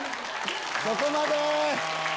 そこまで！